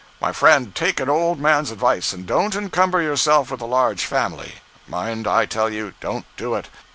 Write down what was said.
My friend, take an old man's advice, and don't encumber yourself with a large family—mind, I tell you, don't do it.